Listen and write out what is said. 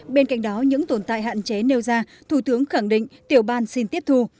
bên cạnh đó những tồn tại hạn chế nêu ra thủ tướng khẳng định tiểu ban xin tiếp thu